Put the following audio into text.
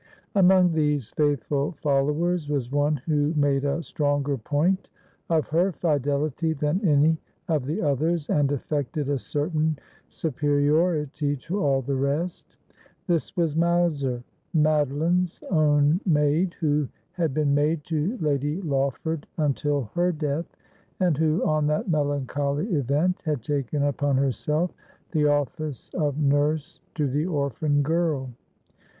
Among these faithful followers was one who made a stronger point of her fidelity than any of the others, and afEected a cer tain superiority to all the rest. This was Mowser, Madoline's own maid, who had been maid to Lady Lawford until her death, and who, on that melancholy event, had taken upon herself the office of nurse to the orphan girl.